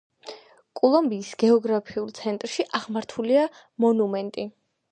კოლუმბიის გეოგრაფიულ ცენტრში აღმართულია მონუმენტი.